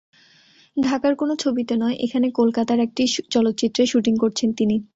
ঢাকার কোনো ছবিতে নয়, এখানে কলকাতার একটি চলচ্চিত্রের শুটিং করছেন তিনি।